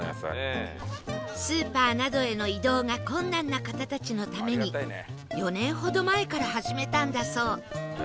スーパーなどへの移動が困難な方たちのために４年ほど前から始めたんだそう